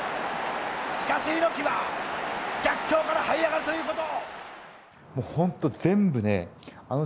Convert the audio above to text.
しかし猪木は逆境からはい上がるということを。